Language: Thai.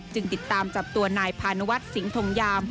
ติดตามจับตัวนายพานุวัฒน์สิงหงยาม